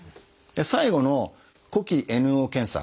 最後の「呼気ＮＯ検査」。